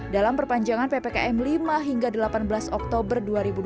dalam perpanjangan ppkm lima hingga delapan belas oktober dua ribu dua puluh